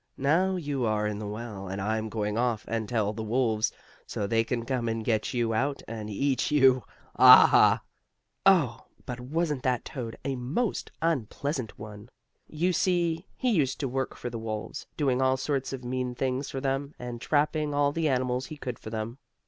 "Now you are in the well, and I'm going off, and tell the wolves, so they can come and get you out, and eat you. Ah, ha!" Oh! but wasn't that toad a most unpleasant one? You see, he used to work for the wolves, doing all sorts of mean things for them, and trapping all the animals he could for them.